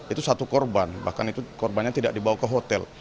itu satu korban bahkan itu korbannya tidak dibawa ke hotel